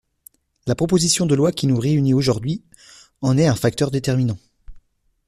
La proposition de loi qui nous réunit aujourd’hui en est un facteur déterminant.